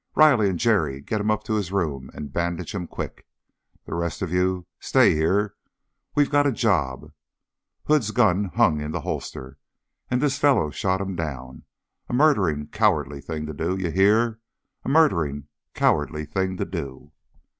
"Riley and Jerry, get him up to his room and bandage him, quick! The rest of you stay here. We got a job. Hood's gun hung in the holster, and this fellow shot him down. A murdering, cowardly thing to do. You hear? A murdering, cowardly thing to do!"